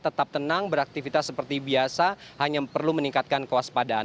tetap tenang beraktivitas seperti biasa hanya perlu meningkatkan kewaspadaan